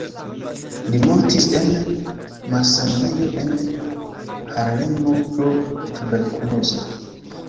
Li mortis en malsanulejo en Harlemo pro tuberkulozo.